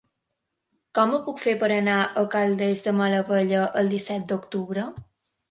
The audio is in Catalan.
Com ho puc fer per anar a Caldes de Malavella el disset d'octubre?